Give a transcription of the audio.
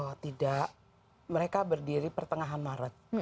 kalau tidak mereka berdiri pertengahan maret